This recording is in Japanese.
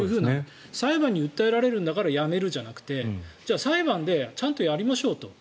裁判に訴えられるんだからやめるじゃなくてじゃあ裁判でちゃんとやりましょうと。